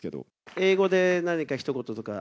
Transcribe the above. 英語で何かひと言とか？